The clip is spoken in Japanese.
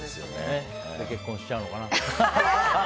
で、結婚しちゃうのかな。